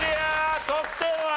得点は？